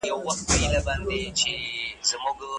د پرمختيا پروسه په ټولنه کي تغيرات راولي.